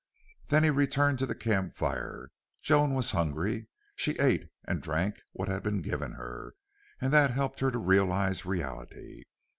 Then he returned to the camp fire. Joan was hungry. She ate and drank what had been given her, and that helped her to realize reality.